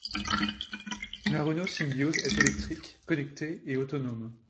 La Renault Symbioz est électrique, connectée et autonome.